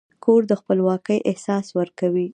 کور د خپلواکۍ احساس ورکوي.